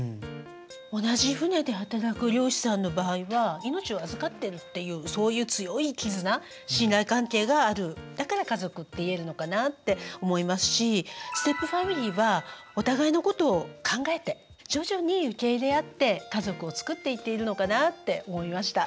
同じ船で働く漁師さんの場合は命を預かってるっていうそういう強い絆信頼関係があるだから家族って言えるのかなって思いますしステップファミリーはお互いのことを考えて徐々に受け入れ合って家族を作っていっているのかなって思いました。